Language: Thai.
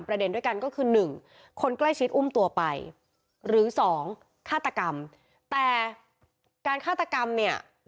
ด้วยกันก็คือหนึ่งคนใกล้ชิดอุ้มตัวไปหรือสองฆาตกรรมแต่การฆาตกรรมเนี่ย